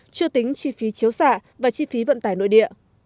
chưa tính chi phí chiếu xạ và chi phí vận tải nội địa